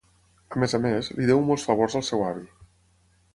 A més a més, li deu molts favors al seu avi.